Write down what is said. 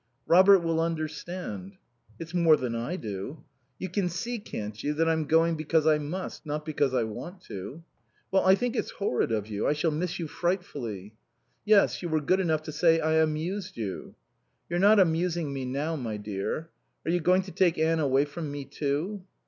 "Robert will understand." "It's more than I do." "You can see, can't you, that I'm going because I must, not because I want to." "Well, I think it's horrid of you. I shall miss you frightfully." "Yes, you were good enough to say I amused you." "You're not amusing me now, my dear ... Are you going to take Anne away from me too?"